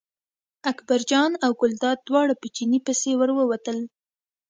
اکبرجان او ګلداد دواړه په چیني پسې ور ووتل.